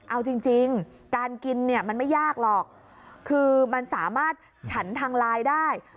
เอาจริงการกินเนี่ยมันไม่ยากหรอกคือมันสามารถฉันทางไลน์ได้